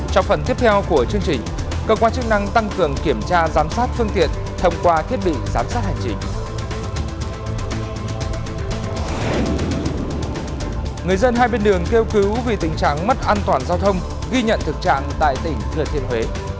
trong phần tiếp theo của chương trình cơ quan chức năng tăng cường kiểm tra giám sát phương tiện thông qua thiết bị giám sát hành trình